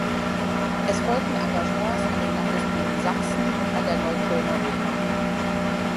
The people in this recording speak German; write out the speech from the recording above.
Es folgten Engagements an den Landesbühnen Sachsen und an der Neuköllner Oper.